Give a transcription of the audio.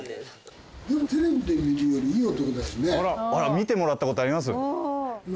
見てもらったことあります？